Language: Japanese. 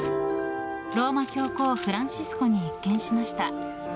ローマ教皇フランシスコに謁見しました。